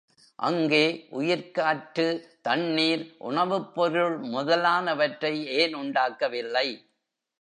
அங்கே உயிர்க்காற்று, தண்ணீர், உணவுப் பொருள் முதலானவற்றை ஏன் உண்டாக்கவில்லை?